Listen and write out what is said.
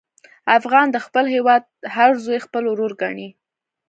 افغان د خپل هېواد هر زوی خپل ورور ګڼي.